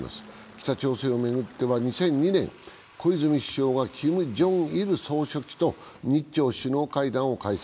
北朝鮮を巡って２００２年、小泉首相がキム・ジョンイル総書記と日朝首脳会談を開催。